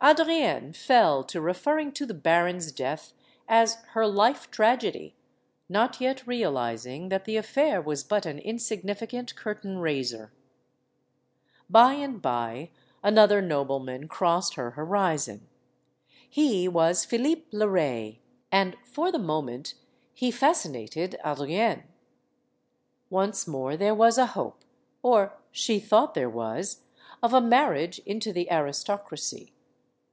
Adrienne fell to referring to the baron's death as her life tragedy, not yet realizing that the affair was but an insignificant curtain raiser. By and by another nobleman crossed her horizon. He was Philippe le Ray. And for the moment he fascinated Adrienne. Once more there was a hope or she thought there was of a marriage into the aristocracy.